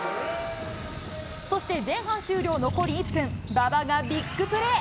そして前半終了残り１分、馬場がビッグプレー。